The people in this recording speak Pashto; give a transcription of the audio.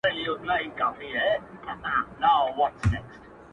موږ ته مو قسمت پیالې نسکوري کړې د میو!